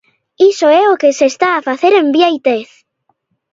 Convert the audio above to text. ¡Iso é o que se está a facer en Biéitez!